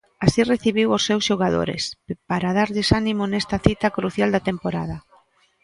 Así recibiu os seus xogadores, para darlles ánimo nesta cita crucial da temporada.